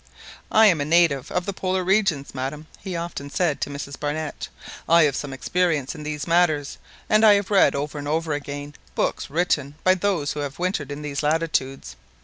"I am a native of the Polar regions, madam," he often said to Mrs Barnett; "I have some experience in these matters, and I have read over and over again books written by those who have wintered in these latitudes.